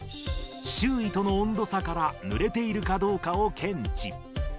周囲との温度差からぬれているかどうかを検知。